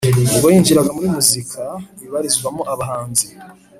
ubwo yinjiraga muri muzika ibarizwamo abahanzi